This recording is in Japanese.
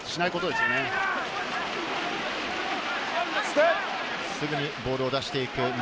すぐにボールを出していく流。